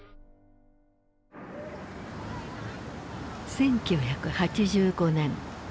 １９８５年。